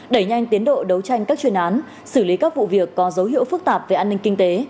đẩy nhanh tiến độ đấu tranh các chuyên án xử lý các vụ việc có dấu hiệu phức tạp về an ninh kinh tế